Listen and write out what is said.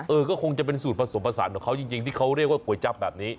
เออก็คงจะเป็นสูตรผสมผสานของเขาจริงที่เขาเรียกว่าก๋วยจับแบบนี้